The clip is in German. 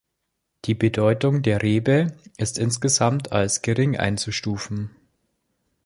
Die Bedeutung der Rebe ist insgesamt als gering einzustufen.